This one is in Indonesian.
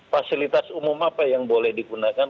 fasilitas umum apa yang boleh digunakan